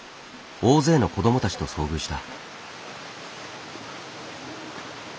大勢の子どもたちと遭遇した。